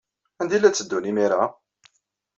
Sanda ay la tteddun imir-a?